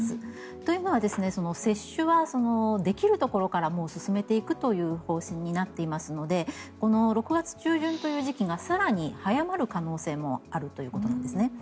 というのは接種はできるところからもう進めていくという方針になっていますのでこの６月中旬という時期が更に早まる可能性もあるということなんですね。